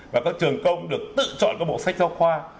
và các trường công được tự chọn các bộ sách giáo khoa